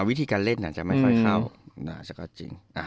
วิธีการเล่นอาจจะไม่ค่อยเข้า